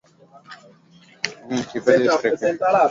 hifadhi ya serengeti inapakana na hifadhi ya masai mara